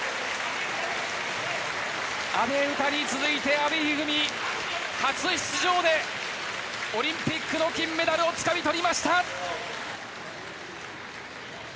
阿部詩に続いて、阿部一二三初出場でオリンピックの金メダルをつかみとりました。